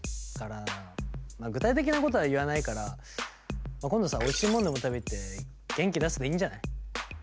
まあ具体的なことは言わないから今度さおいしいもんでも食べ行って元気出せばいいんじゃない？